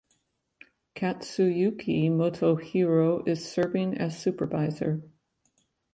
Katsuyuki Motohiro is serving as supervisor.